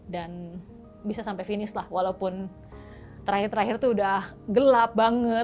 dan bisa sampai finish lah walaupun terakhir terakhir itu udah gelap banget